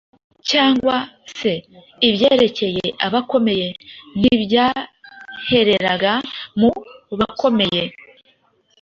cyangwa se ibyerekeye abakomeye ,ntibyahereraga mu bakomeye.